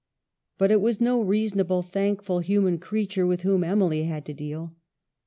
But it was no reasonable, thankful human creature with whom Emily had to deal.